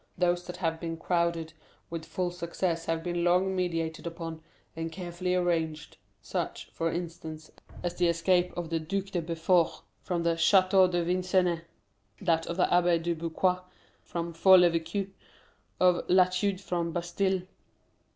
Those that have been crowned with full success have been long meditated upon, and carefully arranged; such, for instance, as the escape of the Duc de Beaufort from the Château de Vincennes, that of the Abbé Dubuquoi from For l'Evêque; of Latude from the Bastille.